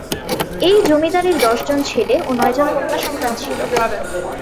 এই জমিদারের দশজন ছেলে ও নয়জন কন্যা সন্তান ছিল।